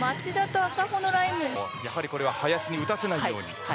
やはりこれは林に打たせないように。